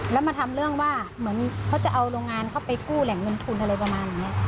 แล้วมาทำเรื่องว่าเหมือนเขาจะเอาโรงงานเข้าไปกู้แหล่งเงินทุนอะไรประมาณอย่างนี้